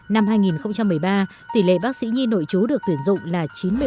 năm hai nghìn một mươi ba tỷ lệ bác sĩ nhi nội trú được tuyển dụng là chín mươi bảy bốn